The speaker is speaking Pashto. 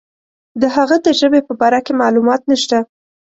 د هغه د ژبې په باره کې معلومات نشته.